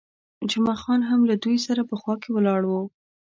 جمعه خان هم له دوی سره په خوا کې ولاړ وو.